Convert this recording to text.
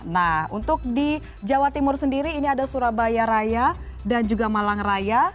nah untuk di jawa timur sendiri ini ada surabaya raya dan juga malang raya